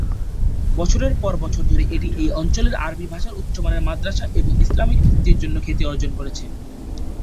বছরের পর বছর ধরে এটি এই অঞ্চলে আরবি ভাষার উচ্চমানের মাদ্রাসা এবং ইসলামিক বৃত্তির জন্য খ্যাতি অর্জন করেছে।